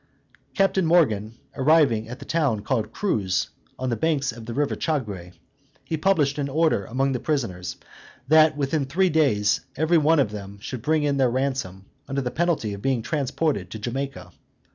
Captain Morgan arriving at the town called Cruz, on the banks of the river Chagre, he published an order among the prisoners, that within three days every one should bring in their ransom, under the penalty of being transported to Jamaica.